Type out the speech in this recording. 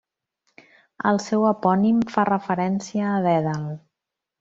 El seu epònim fa referència a Dèdal.